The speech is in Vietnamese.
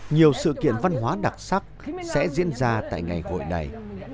nhiều sự kiện văn hóa đặc sắc sẽ diễn ra tại ngày hội này